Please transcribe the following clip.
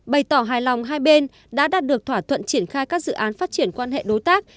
bày tỏ hài lòng hai bên đã đạt được thỏa thuận triển khai các dự án phát triển quan hệ đối tác